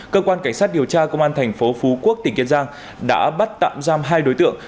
cơ quan cảnh sát điều tra công an thành phố phú quốc tỉnh kiên giang đã bắt tạm giam hai đối tượng